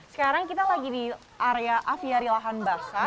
sekarang kita lagi di area aviary lahan bakar